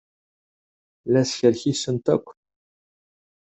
La skerkisent akk.